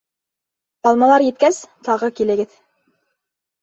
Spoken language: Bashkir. — Алмалар еткәс, тағы килегеҙ.